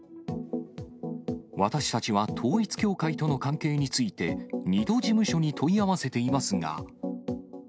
私たちは統一教会との関係について、２度、事務所に問い合わせていますが。